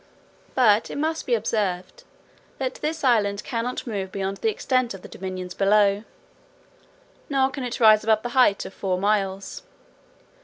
But it must be observed, that this island cannot move beyond the extent of the dominions below, nor can it rise above the height of four miles.